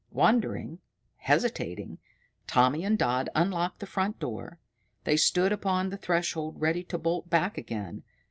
Wondering, hesitating, Tommy and Dodd unlocked the front door. They stood upon the threshold ready to bolt back again.